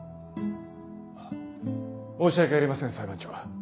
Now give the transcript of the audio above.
あっ申し訳ありません裁判長。